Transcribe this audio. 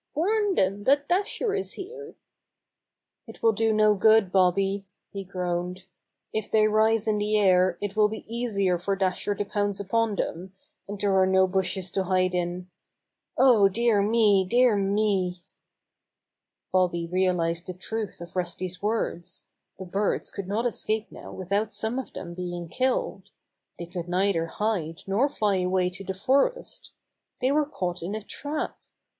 "Warn them that Dasher is here!" "It will do no good, Bobby," he groaned. "If they rise in the air it will be easier for 76 Bobby Gray Squirrel's Adventures Dasher to pounce upon them, and there are no bushes to hide in. Oh, dear me! Dear meT Bobby realized the truth of Rusty's words. The birds could not escape now without some of them being killed. They could neither hide nor fly away to the forest. They were caught in a trap.